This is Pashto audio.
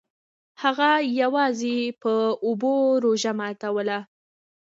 هغه یوازې په اوبو روژه ماتوله.